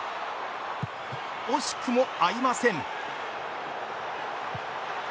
惜しくも合いません。